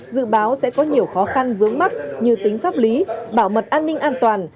dự báo sẽ có nhiều khó khăn vướng mắt như tính pháp lý bảo mật an ninh an toàn